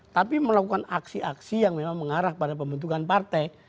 tapi melakukan aksi aksi yang memang mengarah pada pembentukan partai